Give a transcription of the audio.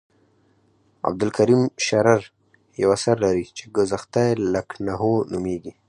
عبدالکریم شرر یو اثر لري چې ګذشته لکنهو نومیږي.